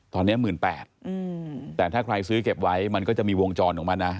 ตอนนี้๑๘๐๐บาทแต่ถ้าใครซื้อเก็บไว้มันก็จะมีวงจรของมันนะ